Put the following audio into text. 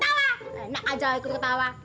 gua ga nyerucuk ketawa